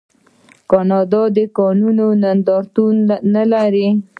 آیا کاناډا د کانونو نندارتون نلري؟